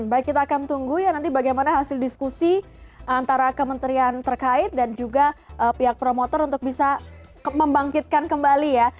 baik kita akan tunggu ya nanti bagaimana hasil diskusi antara kementerian terkait dan juga pihak promotor untuk bisa membangkitkan kembali ya